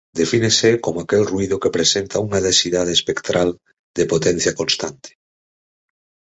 Defínese como aquel ruído que presenta unha densidade espectral de potencia constante.